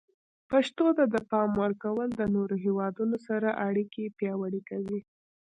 پښتو ته د پام ورکول د نورو هیوادونو سره اړیکې پیاوړي کوي.